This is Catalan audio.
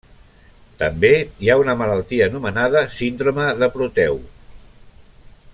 També hi ha una malaltia anomenada síndrome de Proteu.